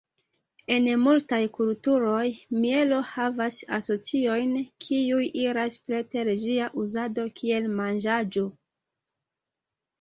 En multaj kulturoj, mielo havas asociojn kiuj iras preter ĝia uzado kiel manĝaĵo.